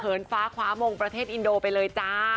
ฟ้าคว้ามงประเทศอินโดไปเลยจ้า